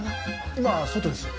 今外です。